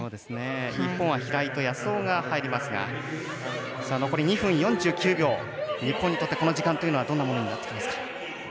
日本は平井と安尾が入りますが日本にとってこの時間はどんなものになってきますか。